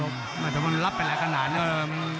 มันรับไปหลายขนาดเนี่ย